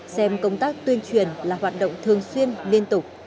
xem công tác tuyên truyền là hoạt động thường xuyên liên tục